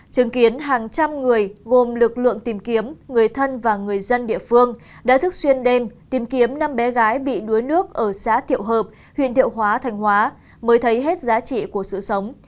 chứng kiến hàng trăm người gồm lực lượng tìm kiếm người thân và người dân địa phương đã thức xuyên đêm tìm kiếm năm bé gái bị đuối nước ở xã thiệu hợp huyện thiệu hóa thành hóa mới thấy hết giá trị của sự sống